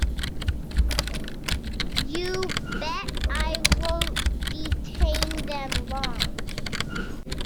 You bet I won't detain them long.